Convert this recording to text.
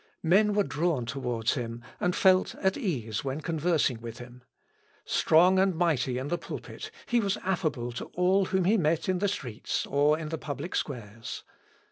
Men were drawn towards him, and felt at ease when conversing with him. Strong and mighty in the pulpit, he was affable to all whom he met in the streets, or in the public squares.